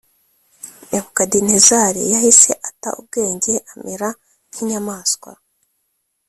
Nebukadinezari yahise ata ubwenge amera nk inyamaswa